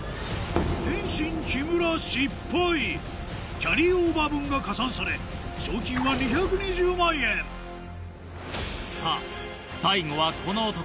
キャリーオーバー分が加算され賞金は２２０万円さぁ最後はこの男。